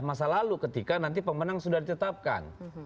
masa lalu ketika nanti pemenang sudah ditetapkan